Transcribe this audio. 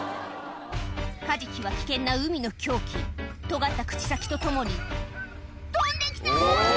カジキは危険な海の凶器とがった口先と共に飛んできた！